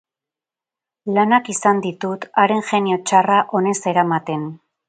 Lanak izan ditut haren jenio txarra onez eramaten.